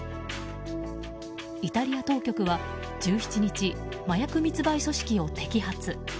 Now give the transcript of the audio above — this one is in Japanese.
イタリア当局は１７日麻薬密売組織を摘発。